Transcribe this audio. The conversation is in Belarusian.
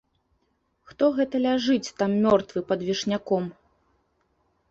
Хто гэта ляжыць там мёртвы пад вішняком?